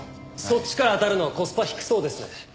そっちから当たるのはコスパ低そうですね。